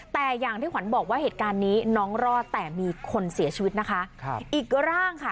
แต่อย่างที่ขวัญบอกว่าเหตุการณ์นี้น้องรอดแต่มีคนเสียชีวิตนะคะครับอีกร่างค่ะ